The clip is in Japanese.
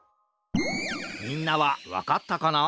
みんなはわかったかな？